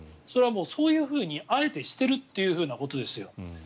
それは、そういうふうにあえてしてるということですよ。